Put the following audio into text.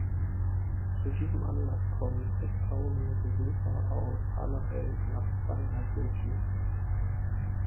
Zu diesem Anlass kommen zigtausende Besucher aus aller Welt nach Seinäjoki.